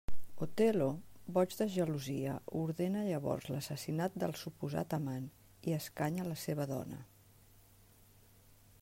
Otel·lo, boig de gelosia ordena llavors l'assassinat del suposat amant i escanya la seva dona.